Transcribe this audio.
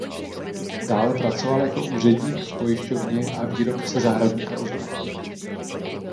Dále pracoval jako úředník v pojišťovně a výrobce zahradních ozdob.